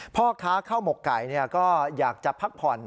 พ่อค้าข้าวหมกไก่ก็อยากจะพักผ่อน